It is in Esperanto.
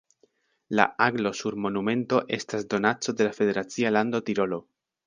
La aglo sur monumento estas donaco de la federacia lando Tirolo.